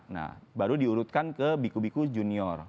nah baru diurutkan ke biku biku junior